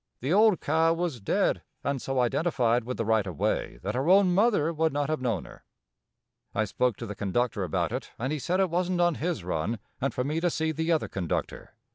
The old cow was dead and so identified with the right of way, that her own mother would not have known her. I spoke to the conductor about it and he said it wasn't on his run and for me to see the other conductor.